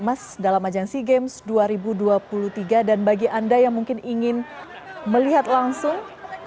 emas dalam ajang sea games dua ribu dua puluh tiga dan bagi anda yang mungkin ingin melihat langsung